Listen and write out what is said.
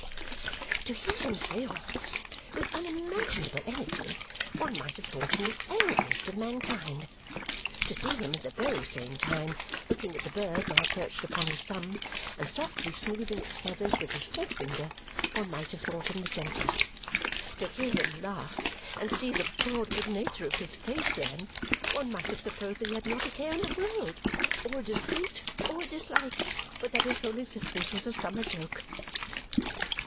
Ha, ha, ha!" To hear him say all this with unimaginable energy, one might have thought him the angriest of mankind. To see him at the very same time, looking at the bird now perched upon his thumb and softly smoothing its feathers with his forefinger, one might have thought him the gentlest. To hear him laugh and see the broad good nature of his face then, one might have supposed that he had not a care in the world, or a dispute, or a dislike, but that his whole existence was a summer joke.